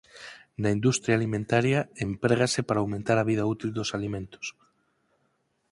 Na industria alimentaria emprégase para aumentar a vida útil dos alimentos.